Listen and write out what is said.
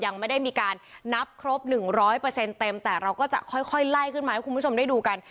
ยังไม่ได้มีการนับครบ๑๐๐เต็มแต่เราก็จะค่อยไล่ขึ้นมาให้คุณผู้ชมได้ดูกัน